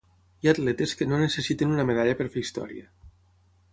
Hi ha atletes que no necessiten una medalla per fer història.